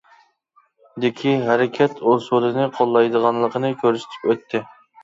دىكى ھەرىكەت ئۇسۇلىنى قوللايدىغانلىقىنى كۆرسىتىپ ئۆتتى.